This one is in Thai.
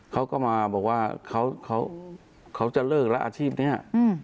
เขาก็มาบอกว่าเขาจะเลยระอาชีพเนี่ย